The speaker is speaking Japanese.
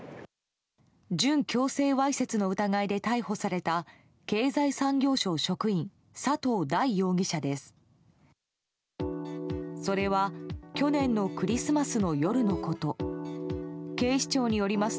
準強制わいせつの疑いで逮捕された経済産業省職員佐藤大容疑者です。